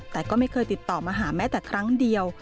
แต่ก็ไม่เคยติดต่อมาหาแม้แต่ครั้งเดียว